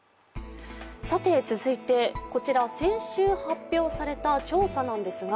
続いてこちら、先週発表された調査なんですが